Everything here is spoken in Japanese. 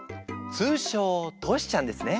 通称トシちゃんですね。